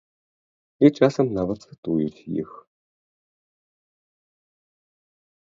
І часам нават цытуюць іх.